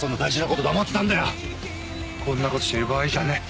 こんなことしてる場合じゃねえ。